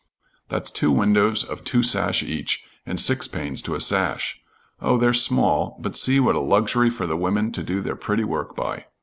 That's two windows of two sash each, and six panes to a sash. Oh, they're small, but see what a luxury for the women to do their pretty work by.